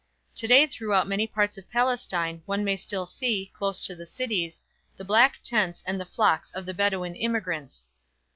Today throughout many parts of Palestine one may still see, close to the cities, the black tents and the flocks of the Bedouin immigrants.